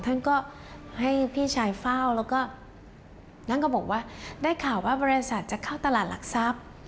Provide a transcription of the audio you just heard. ท่านก็ให้พี่ชายเฝ้าแล้วก็ท่านก็บอกว่าได้ข่าวว่าบริษัทจะเข้าตลาดหลักทรัพย์